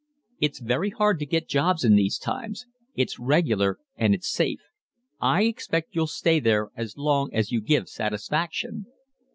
"It's very hard to get jobs in these times. It's regular and it's safe; I expect you'll stay there as long as you give satisfaction."